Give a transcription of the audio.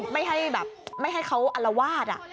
ไม่ให้เขาอลวาด